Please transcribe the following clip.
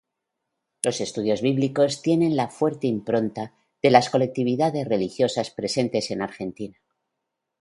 Los Estudios Bíblicos tienen la fuerte impronta de las colectividades religiosas presentes en Argentina.